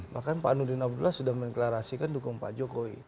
bahkan pak nurdin abdullah sudah mengklarasikan dukung pak jokowi